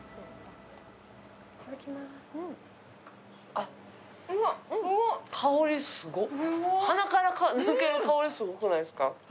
ゆうちゃみＦ鼻から抜ける香り、すごくないですか。